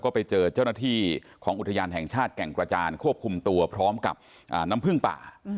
ไปเจอเจ้าหน้าที่ของอุทยานแห่งชาติแก่งกระจานควบคุมตัวพร้อมกับน้ำผึ้งป่า